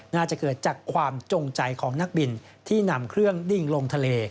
น่าจะเกิดจากความจงใจของนักบินที่นำเครื่องดิ้งลงทะเล